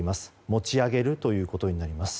持ち上げるということになります。